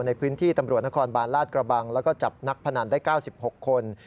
ในพื้นที่ตำรวจนครบาลลาดกระบังแล้วก็จับนักพนันได้๙๖คน